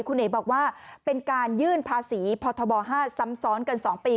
คุณเอ๋บอกว่าเป็นการยื่นภาษีพบ๕ซ้ำซ้อนกัน๒ปี